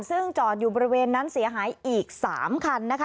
ซึ่งจอดอยู่บริเวณนั้นเสียหายอีก๓คันนะคะ